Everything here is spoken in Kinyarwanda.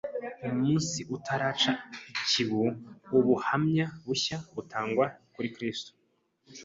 Umunsi utaraca ikibu, ubuhamya bushya butangwa kuri Kristo